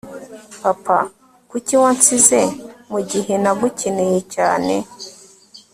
papa, kuki wansize mu gihe nagukeneye cyane